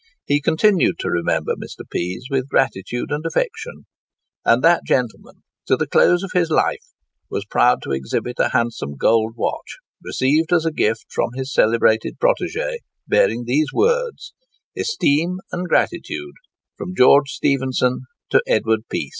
He continued to remember Mr. Pease with gratitude and affection, and that gentleman, to the close of his life, was proud to exhibit a handsome gold watch, received as a gift from his celebrated protégé, bearing these words;—"Esteem and gratitude: from George Stephenson to Edward Pease."